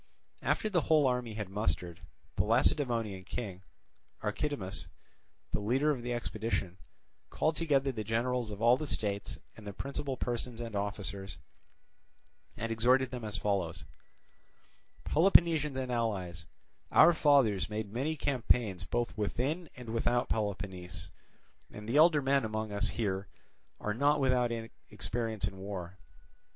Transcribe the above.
After the whole army had mustered, the Lacedaemonian king, Archidamus, the leader of the expedition, called together the generals of all the states and the principal persons and officers, and exhorted them as follows: "Peloponnesians and allies, our fathers made many campaigns both within and without Peloponnese, and the elder men among us here are not without experience in war.